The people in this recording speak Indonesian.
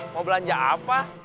mau belanja apa